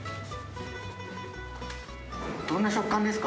どんな食感ですか？